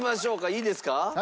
いいですか？